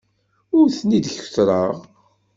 Ur ten-id-kettreɣ.